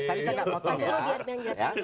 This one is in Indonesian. tadi saya tidak potong ya